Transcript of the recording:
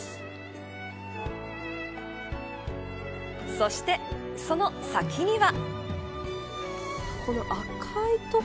そして、その先には。